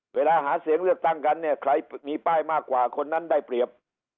เวลาหาเสียงเลือกตั้งกันเนี่ยใครมีป้ายมากกว่าคนนั้นได้เปรียบ